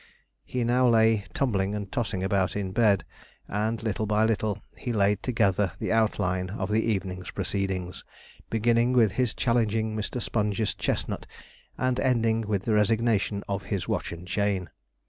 He now lay tumbling and tossing about in bed, and little by little he laid together the outline of the evening's proceedings, beginning with his challenging Mr. Sponge's chestnut, and ending with the resignation of his watch and chain.